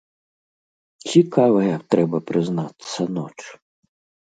Цікавая, трэба прызнацца, ноч.